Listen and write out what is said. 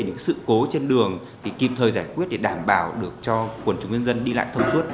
những sự cố trên đường kịp thời giải quyết để đảm bảo cho quần chúng dân dân đi lại thông suốt